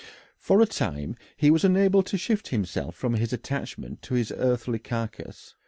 For a time he was unable to shift himself from his attachment to his earthly carcass.